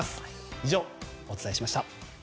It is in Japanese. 以上、お伝えしました。